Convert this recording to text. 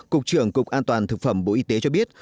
cục trưởng cục an toàn thực phẩm bộ y tế cho biết